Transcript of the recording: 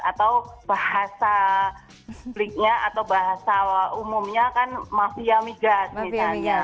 atau bahasa publiknya atau bahasa umumnya kan mafia migas misalnya